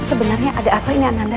sebenarnya ada apa ini ananda